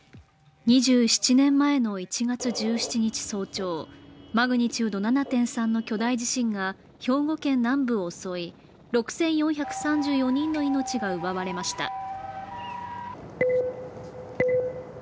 ２７年前の１月１７日早朝マグニチュード７．３の巨大地震が兵庫県南部を襲い、６４３４人の命が奪われました。